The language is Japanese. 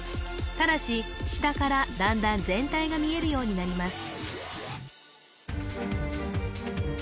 ただし下からだんだん全体が見えるようになります